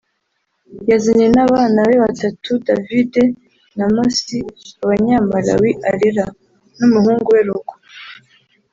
yazanye n’abana be batatu David na Mercy [Abanyamalawi arera] n’umuhungu we Rocco